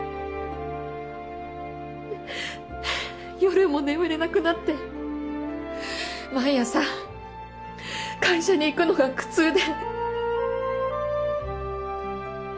夜も眠れなくなって毎朝会社に行くのが苦痛で。